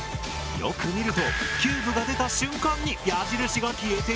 よく見るとキューブが出た瞬間に矢印が消えているんだ！